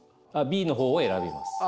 Ｂの方を選びます。